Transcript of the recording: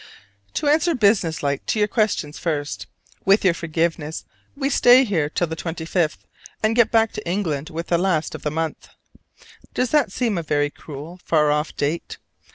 To answer businesslike to your questions first: with your forgiveness we stay here till the 25th, and get back to England with the last of the month. Does that seem a very cruel, far off date?